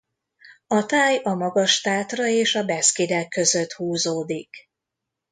A táj a Magas-Tátra és a Beszkidek között húzódik.